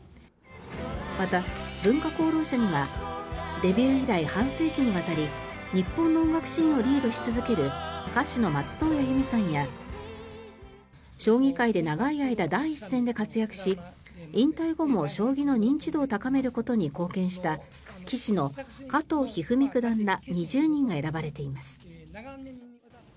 また、文化功労者にはデビュー以来半世紀にわたり日本の音楽シーンをリードし続ける歌手の松任谷由実さんや将棋界で長い間第一線で活躍し引退後も将棋の認知度を高めることに貢献した棋士の加藤一二三九段ら２０人が選ばれています。